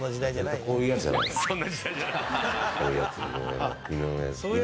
こういうやつじゃない？